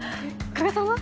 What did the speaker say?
加賀さんは？